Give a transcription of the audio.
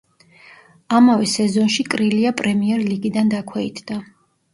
ამავე სეზონში კრილია პრემიერ ლიგიდან დაქვეითდა.